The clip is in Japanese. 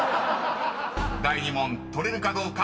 ［第２問取れるかどうか。